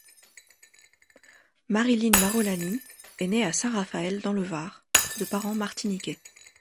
Marie-Line Marolany est née à Saint-Raphaël dans le Var, de parents martiniquais.